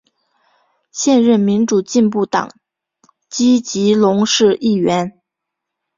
现任民主进步党籍基隆市议员。